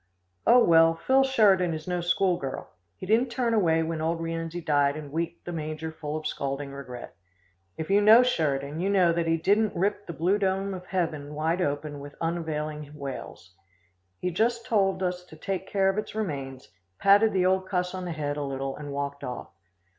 "Oh, well, Phil Sheridan is no school girl. He didn't turn away when old Rienzi died and weep the manger full of scalding regret. If you know Sheridan, you know that he don't rip the blue dome of heaven wide open with unavailing wails. He just told us to take care of its remains, patted the old cuss on the head a little and walked off.